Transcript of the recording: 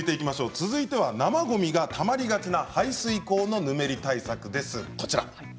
続いては生ごみがたまりがちな排水口のヌメリ対策です。